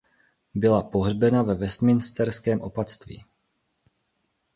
Byla pohřbena ve Westminsterském opatství.